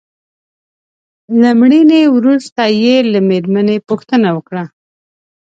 له مړینې وروسته يې له مېرمنې پوښتنه وکړه.